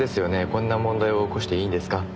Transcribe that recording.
こんな問題を起こしていいんですか？